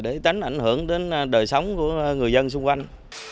để tránh ảnh hưởng đến đời sống của người dân xung quanh